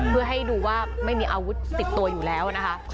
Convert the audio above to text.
เพื่อให้ดูว่าไม่มีอาวุธติดตัวอยู่แล้วนะคะ